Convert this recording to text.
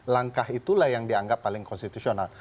langkah itulah yang dianggap paling konstitusional